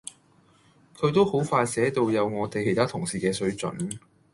佢都好快寫到有我哋其他同事嘅水準